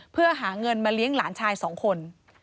เพื่อหาเงินมาเลี้ยงหลานชายสองคน